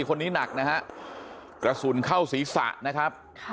คนนี้หนักนะฮะกระสุนเข้าศีรษะนะครับ